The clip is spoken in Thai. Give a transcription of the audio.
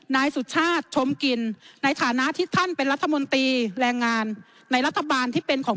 นายสุชาติชมกินในฐานะที่ท่านเป็นรัฐมนตรีแรงงานในรัฐบาลที่เป็นของ